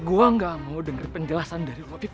gue gak mau denger penjelasan dari lo fir